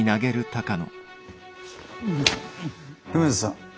梅津さん